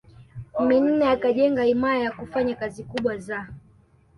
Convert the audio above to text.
Minne akajenga himaya yakufanya kazi kubwa za